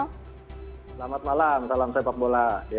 selamat malam salam sepak bola